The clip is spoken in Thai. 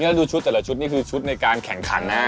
แล้วดูชุดแต่ละชุดนี่คือชุดในการแข่งขันนะ